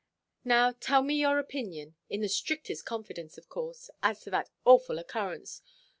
Now tell me your opinion—in the strictest confidence, of course—as to that awful occurrence.